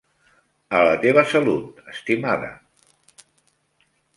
A la teva salut, estimada.